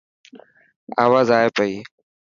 آواز آي پئي.